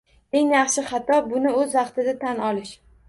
Eng yaxshi xato - buni o'z vaqtida tan olish